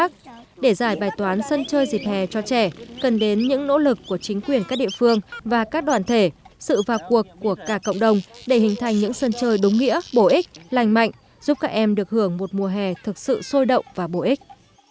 chính quyền các địa phương và các đoàn thể sự vào cuộc của cả cộng đồng để hình thành những sân chơi đúng nghĩa bổ ích lành mạnh giúp các em được hưởng một mùa hè thực sự sôi động và bổ ích